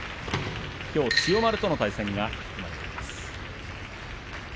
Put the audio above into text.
きょう千代丸との対戦が組まれています。